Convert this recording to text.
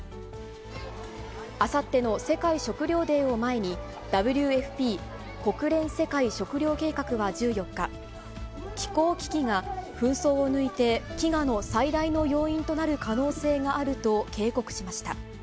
あさっての世界食料デーを前に、ＷＦＰ・国連世界食糧計画は１４日、気候危機が紛争を抜いて飢餓の最大の要因となる可能性があると警告しました。